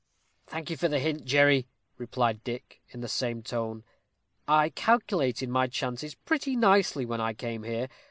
"Thank you for the hint, Jerry," replied Dick, in the same tone. "I calculated my chances pretty nicely when I came here.